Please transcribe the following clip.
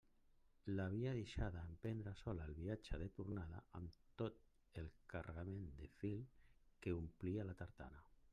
L'havia deixada emprendre sola el viatge de tornada amb tot el carregament de fil, que omplia la tartana.